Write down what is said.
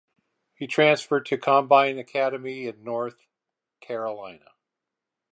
He transferred to Combine Academy in North Carolina.